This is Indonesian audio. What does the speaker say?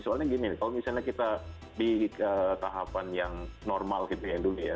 soalnya gini kalau misalnya kita di tahapan yang normal gitu ya dulu ya